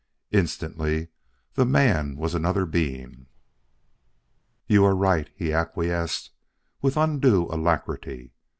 Instantly the man was another being. "You are right," he acquiesced with undue alacrity.